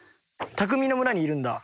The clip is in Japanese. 匠の村にいるんだ。